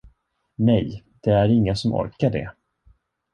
Nej, det är ingen som orkar det.